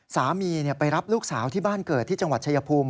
สามีไปรับลูกสาวที่บ้านเกิดที่จังหวัดชายภูมิ